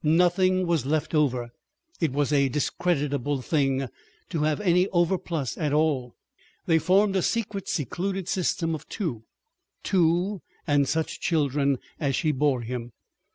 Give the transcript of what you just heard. Nothing was left over—it was a discreditable thing to have any overplus at all. They formed a secret secluded system of two, two and such children as she bore him.